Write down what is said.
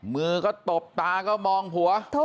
มือก็ตบตาก็มองหัว